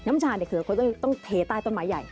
น้ำชาเนี่ยครับเค้าจะต้องเทใต้ต้นยะไม้ใหญ่